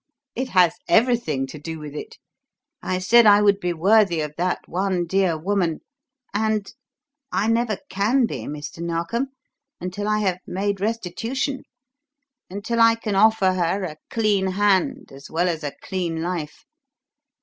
"It has everything to do with it. I said I would be worthy of that one dear woman, and I can never be, Mr. Narkom, until I have made restitution; until I can offer her a clean hand as well as a clean life.